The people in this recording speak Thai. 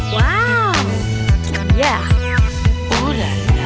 ว้าวแย่พูดเลย